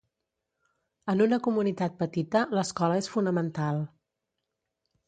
En una comunitat petita, l'escola és fonamental.